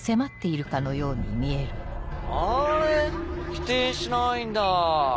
否定しないんだぁ。